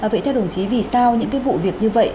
vậy theo đồng chí vì sao những cái vụ việc như vậy